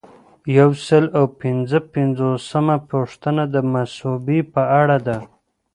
یو سل او پنځه پنځوسمه پوښتنه د مصوبې په اړه ده.